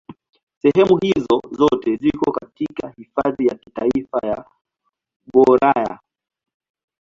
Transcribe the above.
Sehemu hizo zote ziko katika Hifadhi ya Kitaifa ya Gouraya.